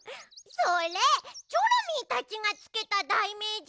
それチョロミーたちがつけただいめいじゃん！